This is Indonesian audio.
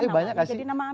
tapi banyak gak sih